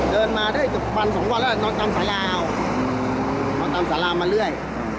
เดินมาได้ปันสองวันแล้วน้องตามสาลาวน้องตามสาลาวมาเรื่อย